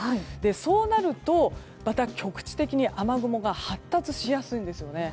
そうなると、また局地的に雨雲が発達しやすいんですね。